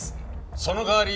その代わり必ず。